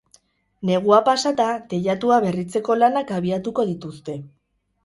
Negua pasata, teilatua berritzeko lanak abiatuko dituzte.